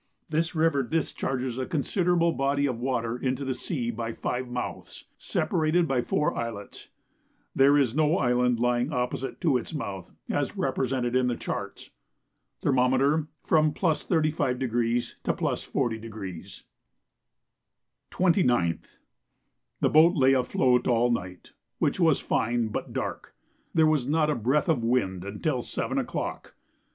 This river discharges a considerable body of water into the sea by five mouths, separated by four islets. There is no island lying opposite to its mouth, as represented in the charts. Thermometer from +35° to +40°. 29th. The boat lay afloat all the night, which was fine but dark. There was not a breath of wind until 7 o'clock.